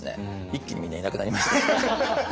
一気にみんないなくなりまして。